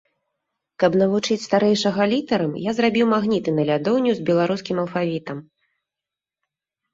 Каб навучыць старэйшага літарам, я зрабіў магніты на лядоўню з беларускім алфавітам.